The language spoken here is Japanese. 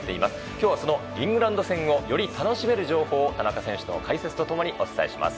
今日はそのイングランド戦をより楽しめる情報を田中選手の解説と共にお伝えします。